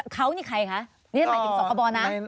เขานี่ใครคะนี่ฉันหมายถึงสคบนะ